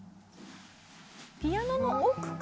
ピアノの奥か。